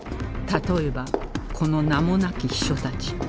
例えばこの名もなき秘書たち